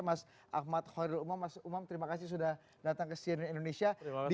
mas ahmad khairul umam mas umam terima kasih sudah datang ke cnn indonesia